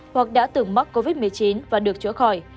hoặc đã từng mắc covid một mươi chín và được chữa khỏi